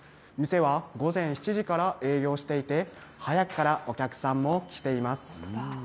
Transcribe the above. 店は午前７時から営業していて、早くからお客さんも来ています。